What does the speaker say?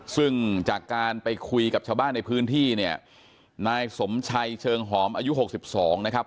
ซึ่งจากการไปคุยกับชาวบ้านในพื้นที่เนี่ยนายสมชัยเชิงหอมอายุหกสิบสองนะครับ